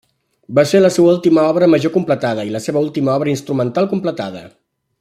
Va ser la seva última obra major completada, i la seva última obra instrumental completada.